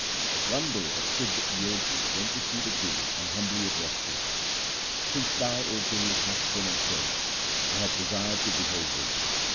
One day a Sidh Jogi went to see the Guru and humbly addressed him :' Since thou, O Guru, hast been enthroned, I have desired to behold thee.